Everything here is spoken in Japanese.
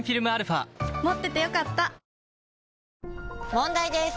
問題です！